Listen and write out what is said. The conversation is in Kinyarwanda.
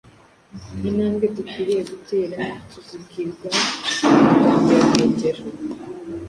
Intambwe dukwiriye gutera tuzibwirwa mu magambo ya Petero: